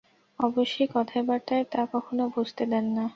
অবশ্যি কথায়-বার্তায় তা কখনো বুঝতে দেন না।